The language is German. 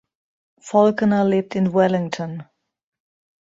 Falconer lebt in Wellington.